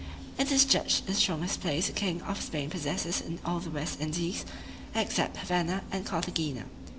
It is judged the strongest place the king of Spain possesses in all the West Indies, except Havanna and Carthagena.